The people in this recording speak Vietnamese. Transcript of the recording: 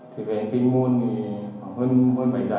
thì về kinh môn thì khoảng hơn bảy giờ